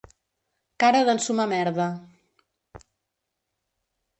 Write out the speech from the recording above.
Cara d'ensumar merda.